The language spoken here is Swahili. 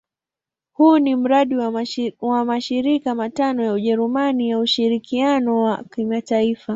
Huu ni mradi wa mashirika matano ya Ujerumani ya ushirikiano wa kimataifa.